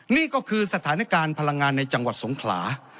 นี่ก็คือสถานการณ์พลังงานในจังหวัดสงขลา